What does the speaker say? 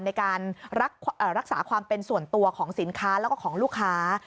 ในการรักษาความเป็นส่วนตัวของสินค้าแล้วก็ของลูกค้า